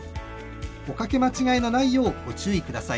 おかけ間違いのないようご注意ください。